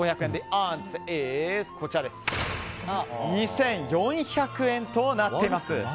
アンサーは２４００円となっています。